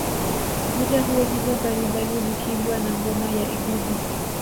Muda huo nyimbo mbalimbali zikiimbwa na ngoma ya igubi